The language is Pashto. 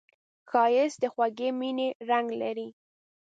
ښایست د خوږې مینې رنګ لري